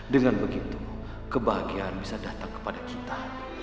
dengan begitu kebahagiaan bisa datang kepada kita